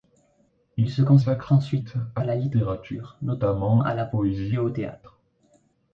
Il se consacre ensuite à la littérature, notamment à la poésie et au théâtre.